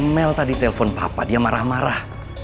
mel tadi telpon papa dia marah marah